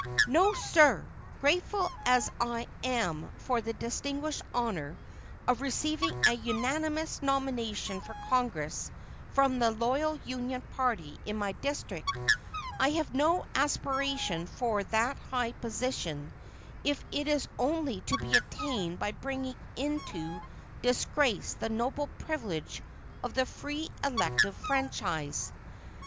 No, sir! Grateful as I am for the distinguished honor of receiving a unanimous nomination for Congress from the loyal Union party in my district, I have no aspiration for that high position if it is only to be attained by bringing into disgrace the noble privilege of the free elective franchise.